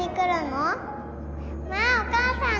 わあお母さん